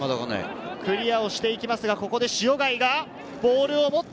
クリアをして行きますが、ここで塩貝がボールを持った。